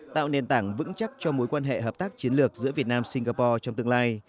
tạo nền tảng vững chắc cho mối quan hệ hợp tác chiến lược giữa việt nam singapore trong tương lai